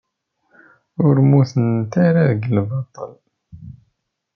Ur mmutent ara deg lbaṭel.